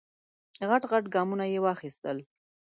غټ غټ ګامونه یې واخیستل.